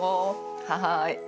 はい。